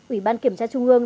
ủy ban kiểm tra trung ương